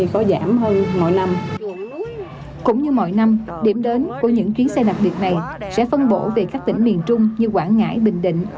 cũng như mọi năm điểm đến của những chuyến xe đặc biệt này sẽ phân bổ về các tỉnh miền trung như quảng ngãi bình định